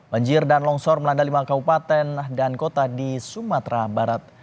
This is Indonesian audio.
banjir dan longsor melanda lima kaupaten dan kota di sumatera barat